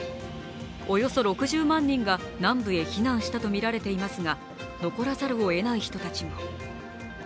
およそ６０万人が南部へ避難したとみられていますが、残らざるをえない人たちも。